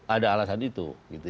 ada alasan itu